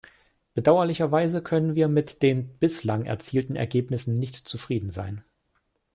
Bedauerlicherweise können wir mit den bislang erzielten Ergebnissen nicht zufrieden sein.